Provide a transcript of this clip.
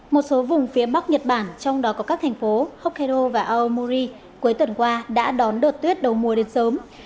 một số vùng phía bắc nhật bản trong đó có các thành phố hokkaido và aomori cuối tuần qua đã đón đợt tuyết đầu mùa đến sớm